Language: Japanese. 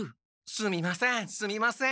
すみませんすみません。